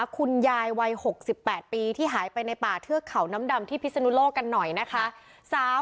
คุณยายวัย๖๘ปีที่หายไปในป่าเทือกเขาน้ำดำที่พิศนุโลกกันหน่อยนะคะ